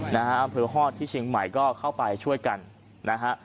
อำเภอฮอตที่เชียงใหม่ก็เข้าไปช่วยกันนะฮะ